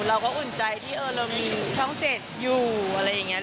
เราก็อุ่นใจที่เรามีช่องเจ็ดอยู่อะไรอย่างเงี้ย